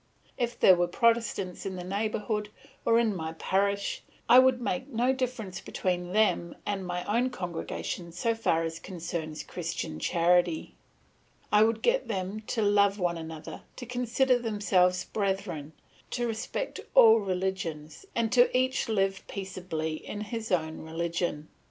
If there were Protestants in the neighbourhood or in my parish, I would make no difference between them and my own congregation so far as concerns Christian charity; I would get them to love one another, to consider themselves brethren, to respect all religions, and each to live peaceably in his own religion.